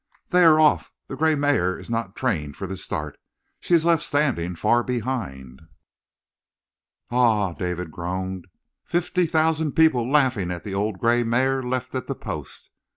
"They are off! The gray mare is not trained for the start. She is left standing far behind." "Ah!" David groaned. "Fifty thousand people laughing at the old gray mare left at the post!"